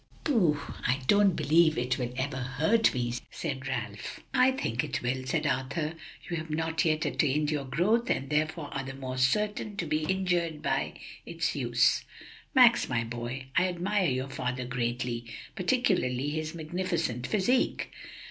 "Pooh! I don't believe it will ever hurt me," said Ralph. "I think it will," said Arthur; "you have not yet attained your growth, and therefore are the more certain to be injured by its use. "Max, my boy, I admire your father greatly, particularly his magnificent physique."